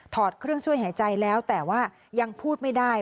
ถอดเครื่องช่วยหายใจแล้วแต่ว่ายังพูดไม่ได้